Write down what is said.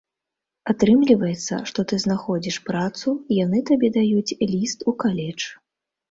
Атрымліваецца, што ты знаходзіш працу, яны табе даюць ліст у каледж.